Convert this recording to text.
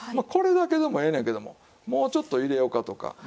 これだけでもええねんけどももうちょっと入れようかとか。